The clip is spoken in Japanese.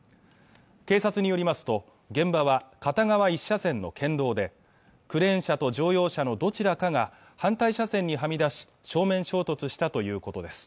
警察によりますと現場は片側１車線の県道でクレーン車と乗用車のどちらかが反対車線にはみ出し正面衝突したということです